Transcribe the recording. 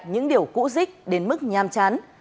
những điều cũ dích đến mức nham chán